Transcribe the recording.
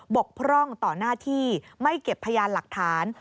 กพร่องต่อหน้าที่ไม่เก็บพยานหลักฐาน